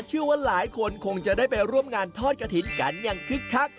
เชื่อว่าหลายคนคงจะได้ไปร่วมงานทอดกระถิ่นกันอย่างคึกคัก